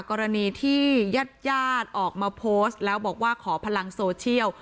กรณีที่ญาติญาติออกมาโพสต์แล้วบอกว่าขอพลังโซเชียล